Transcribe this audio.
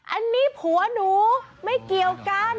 อันนี้ผัวหนูไม่เกี่ยวกัน